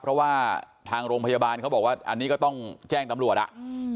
เพราะว่าทางโรงพยาบาลเขาบอกว่าอันนี้ก็ต้องแจ้งตำรวจอ่ะอืม